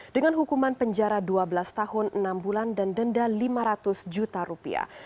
dengan hukuman penjara dua belas tahun enam bulan dan denda lima ratus juta rupiah